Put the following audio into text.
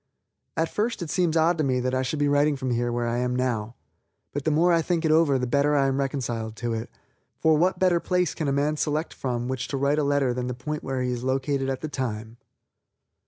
At first it seems odd to me that I should be writing from where I now am, but the more I think it over the better I am reconciled to it, for what better place can a man select from which to write a letter than the point where he is located at the time.